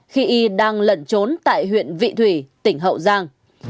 khi đang lận trốn tại huyện vị thủy tỉnh hậu giang